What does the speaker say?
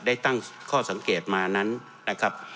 ได้ตั้งข้อสังเกตมานั้นนะครับ